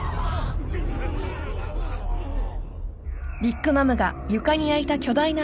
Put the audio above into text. ああ。